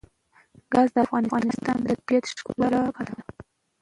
ګاز د افغانستان د طبیعت د ښکلا برخه ده.